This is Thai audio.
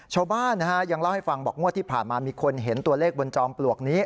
ชาวบ้านยังเล่าให้ฟังบอกงวดที่ผ่านมามีคนเห็นตัวเลขบนจอมปลวกนี้